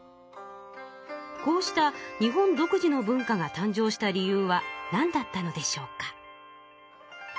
こうした日本独自の文化が誕生した理由はなんだったのでしょうか？